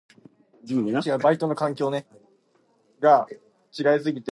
Each qualifying member nation may have up to three entries per discipline.